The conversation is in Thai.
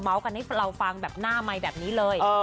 กันให้เราฟังแบบหน้าไมค์แบบนี้เลย